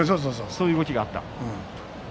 そういう動きがあったと。